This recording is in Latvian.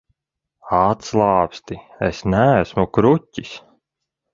Atslābsti, es neesmu kruķis.